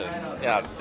oh enak banget